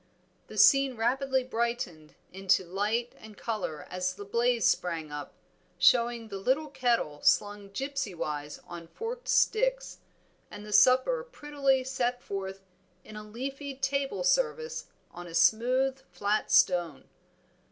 The scene rapidly brightened into light and color as the blaze sprang up, showing the little kettle slung gipsywise on forked sticks, and the supper prettily set forth in a leafy table service on a smooth, flat stone.